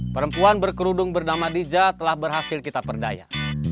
perempuan berkerudung bernama diza telah berhasil kita perdaya